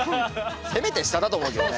せめて下だと思うけどね。